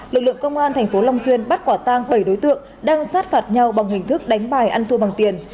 lực lượng công an tp long xuyên bắt quả tang bảy đối tượng đang sát phạt nhau bằng hình thức đánh bài ăn thua bằng tiền